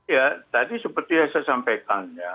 ya tadi seperti yang saya sampaikan ya